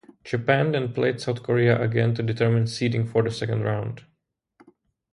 Japan then played South Korea again to determine seeding for the second round.